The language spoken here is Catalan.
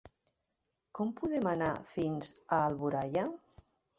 Com podem anar fins a Alboraia?